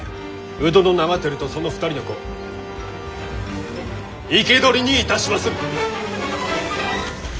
鵜殿長照とその２人の子生け捕りにいたしまする！